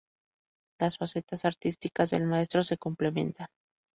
Las facetas artísticas del maestro se complementan.